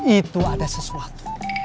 itu ada sesuatu